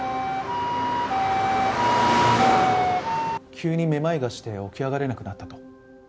急にめまいがして起き上がれなくなったと？